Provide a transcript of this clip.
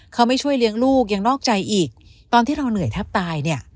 เขาไม่ช่วยเลี้ยงลูกยังนอกใจอีกตอนที่เราเหนื่อยแทบตายเนี่ย